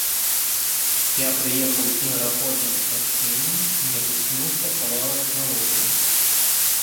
Я прыехаў з неверагодным натхненнем, і мне прысніўся кавалак мелодыі.